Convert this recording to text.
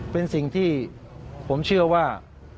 เป็นสิ่งที่ผมเชื่อว่า